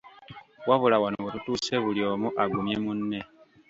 Wabula wano we tutuuse buli omu agumye munne.